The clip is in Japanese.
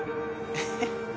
えっ？